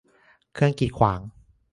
เครื่องกีดขวาง